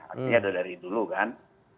artinya udah dari dulu kan